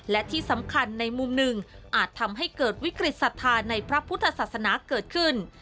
และที่สำคัญในมุมหนึ่งอาจทำให้เกิดวิกฤตศรัทธาในพระพุทธศาสนาเกิดขึ้น